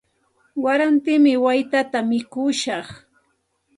Warantimi waytata mikushaq.